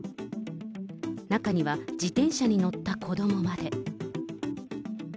中には、自転車に乗った子どもまで。